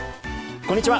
こんにちは。